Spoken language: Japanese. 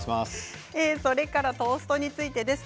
それからトーストについてです。